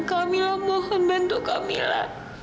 kamila mohon bantu kamila